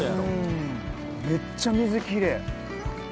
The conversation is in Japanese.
めっちゃ水きれい。